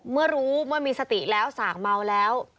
เมื่อรู้เมื่อมีสติแล้วสางเมาแล้ว